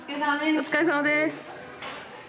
お疲れさまです。